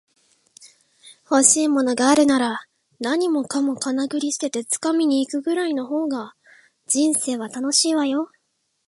欲しいものがあるなら、何もかもかなぐり捨てて掴みに行くぐらいの方が人生は楽しいわよ